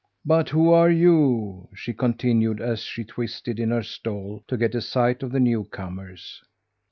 But who are you?" she continued, as she twisted in her stall to get a sight of the newcomers.